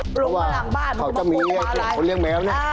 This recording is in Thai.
เพราะว่าเขาจะมีคนเลี้ยงแมวนี่